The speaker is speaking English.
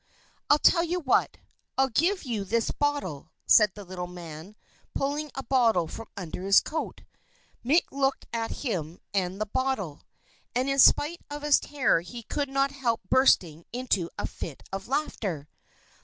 "I'll tell you what, I'll give you this bottle," said the little man, pulling a bottle from under his coat. Mick looked at him and the bottle, and in spite of his terror he could not help bursting into a loud fit of laughter.